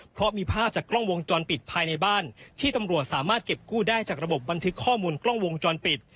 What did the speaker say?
เพราะมีภาพจากกล้องวงจรปิดภายในบ้านที่ตำรวจสามารถเก็บกู้ได้จากระบบบันทึกข้อมูลกล้องวงจรปิด